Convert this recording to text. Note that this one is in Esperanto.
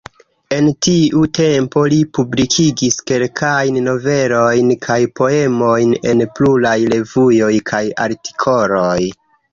En tiu tempo, li publikigis kelkajn novelojn kaj poemojn en pluraj revuoj kaj artikoloj.